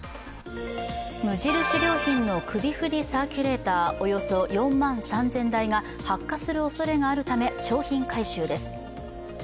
無印良品の首振りサーキュレーター、およそ４万３０００台が発火するおそれがあるため、商品回収です。